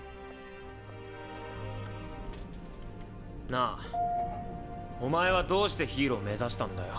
なぁお前はどうしてヒーロー目指したんだよ。